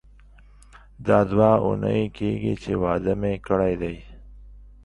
دا دوه اونۍ کیږي چې واده مې کړی دی.